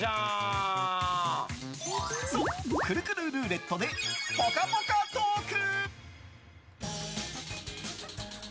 くるくるルーレットでぽかぽかトーク。